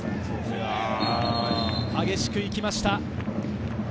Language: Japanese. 激しく行きました。